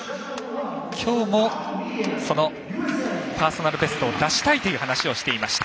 きょうもそのパーソナルベストを出したいという話をしていました。